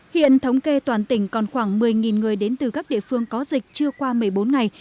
hiện thống kê toàn tỉnh còn khoảng một mươi người đến từ các địa phương có dịch chưa qua một mươi bốn ngày